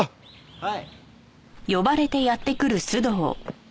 はい。